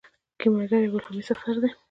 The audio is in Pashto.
کیمیاګر یو الهامي سفر دی.